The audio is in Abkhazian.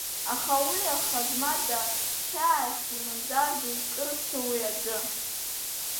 Аха уи аха змада, хьаасгьы, мамзаргьы икырцу уи аӡәы!